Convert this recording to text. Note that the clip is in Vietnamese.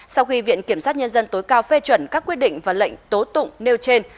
sau khi viện kiểm sát nhân dân tối cao phê chuẩn các quyết định và lệnh tố tụng nêu trên